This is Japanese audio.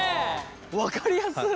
分かりやすっ。